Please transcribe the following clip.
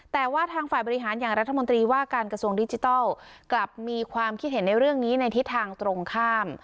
แต่ว่าทางฝ่ายบริหารอย่างรัฐมนตรีว่าการกระทรวงดิจิทัลกลับมีความคิดเห็นในเรื่องนี้ในทิศทางตรงข้าม